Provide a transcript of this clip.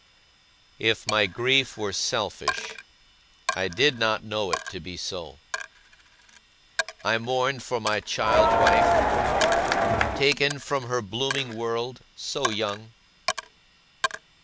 If my grief were selfish, I did not know it to be so. I mourned for my child wife, taken from her blooming world, so young.